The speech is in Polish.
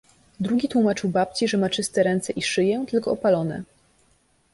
Drugi tłumaczył babci, że ma czyste ręce i szyję, tylko opalone.